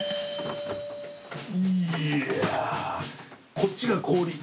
こっちが氷。